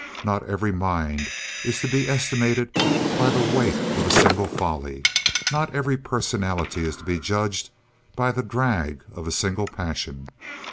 Not every mind is to be estimated by the weight of a single folly; not every personality is to be judged by the drag of a single passion.